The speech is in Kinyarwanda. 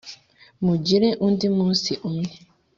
mugire undi munsi umwe.